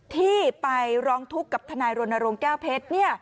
ที่ไปร้องทุกข์กับธนายรณรวงแก้วเผ็ด